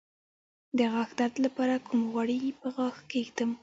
د غاښ درد لپاره کوم غوړي په غاښ کیږدم؟